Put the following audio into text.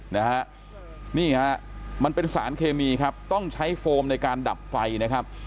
นะฮะนี่ฮะมันเป็นสารเคมีครับต้องใช้โฟมในการดับไฟนะครับ